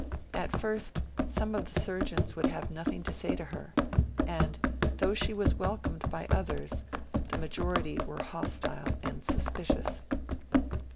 At first some of the surgeons would have nothing to say to her, and, though she was welcomed by others, the majority were hostile and suspicious.